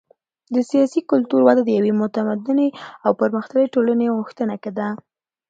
د سیاسي کلتور وده د یوې متمدنې او پرمختللې ټولنې غوښتنه ده.